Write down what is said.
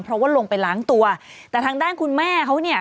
เพราะว่าลงไปล้างตัวแต่ทางด้านคุณแม่เขาเนี่ย